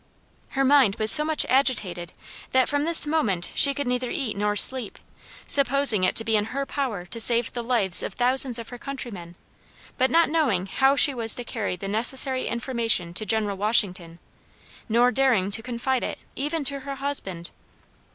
Her mind was so much agitated that, from this moment, she could neither eat nor sleep, supposing it to be in her power to save the lives of thousands of her countrymen, but not knowing how she was to carry the necessary information to General Washington, nor daring to confide it even to her husband.